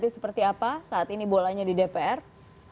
apakah kemudian rakyat masih punya suara untuk bisa mengubah beberapa pasal ini